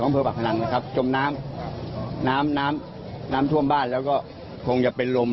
ของเผอร์ปากฏรังนะครับจมน้ำน้ำน้ำน้ำทั่วบ้านแล้วก็คงจะเป็นลม